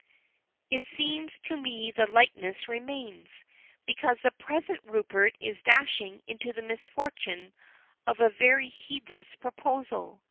"It seems to me the likeness remains, because the present Rupert is dashing into the misfortune of a very heedless proposal.